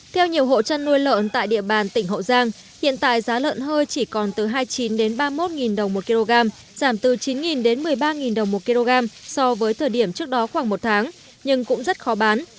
theo nhiều hộ chăn nuôi lợn tại địa bàn tỉnh hậu giang hiện tại giá lợn hơi chỉ còn từ hai mươi chín ba mươi một đồng một kg giảm từ chín đến một mươi ba đồng một kg so với thời điểm trước đó khoảng một tháng nhưng cũng rất khó bán